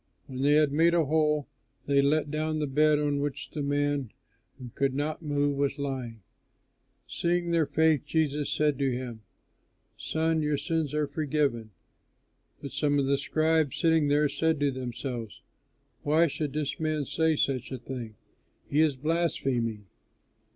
When they had made a hole, they let down the bed on which the man who could not move was lying. Seeing their faith, Jesus said to him, "Son, your sins are forgiven." But some of the scribes sitting there said to themselves, "Why should this man say such a thing? He is blaspheming!